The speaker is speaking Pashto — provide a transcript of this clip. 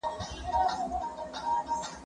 غټه لو چاړه په لاس كي